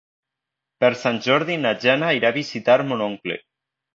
Per Sant Jordi na Jana irà a visitar mon oncle.